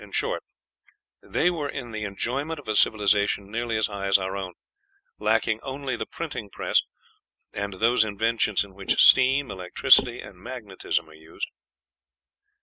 In short, they were in the enjoyment of a civilization nearly as high as our own, lacking only the printing press, and those inventions in which steam, electricity, and magnetism are used.